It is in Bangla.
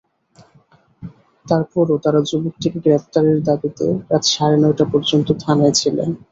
তার পরও তাঁরা যুবকটিকে গ্রেপ্তারের দাবিতে রাত সাড়ে নয়টা পর্যন্ত থানায় ছিলেন।